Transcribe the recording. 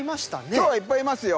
今日はいっぱいいますよ